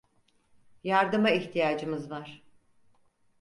Yardıma ihtiyacımız var.